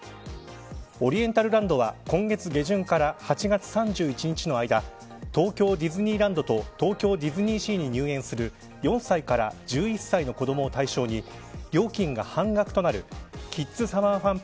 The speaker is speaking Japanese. オリエンタルランドは今月下旬から８月３１日の間東京ディズニーランドと東京ディズニーシーに入園する４歳から１２歳の子どもを対象に料金が半額となるキッズサマーファン！